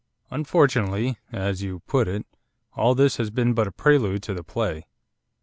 'Unfortunately, as you put it, all this has been but a prelude to the play.